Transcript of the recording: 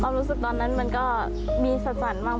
รู้สึกตอนนั้นมันก็มีสัดสรรค์บ้าง